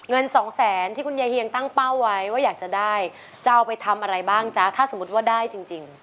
เงินสองแสนที่คุณยายเฮียงตั้งเป้าไว้ว่าอยากจะได้จะเอาไปทำอะไรบ้างจ๊ะถ้าสมมุติว่าได้จริง